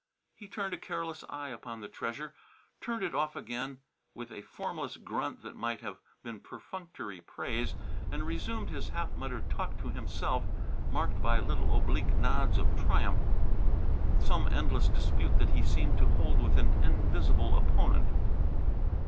He turned a careless eye upon the treasure, turned it off again with a formless grunt that might have been perfunctory praise, and resumed his half muttered talk to himself, marked by little oblique nods of triumph some endless dispute that he seemed to hold with an invisible opponent.